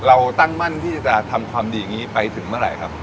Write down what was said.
เราตั้งมั่นที่จะทำความดีอย่างนี้ไปถึงเมื่อไหร่ครับ